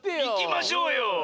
いきましょうよ。